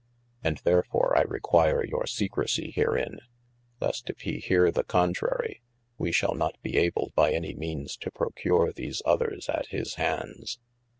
And therfore I requier your secresie herein, least if he hear the contrary, we shall not be able by any meanes to procure these other at his handes.